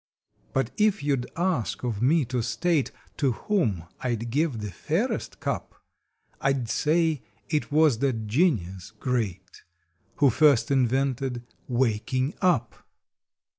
But if you d ask of me to state To whom I d give the fairest cup I d say it was that genius great Who first invented WAKING UP!